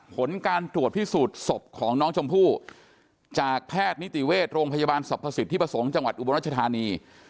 ผลการตรวจพิสูจน์ศพของน้องชมพู่จากแพทย์นิติเวชโรงพยาบาลสรรพสิทธิประสงค์จังหวัดอุบลรัชธานี